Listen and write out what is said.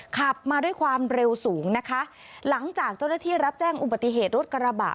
ขับมาด้วยความเร็วสูงนะคะหลังจากเจ้าหน้าที่รับแจ้งอุบัติเหตุรถกระบะ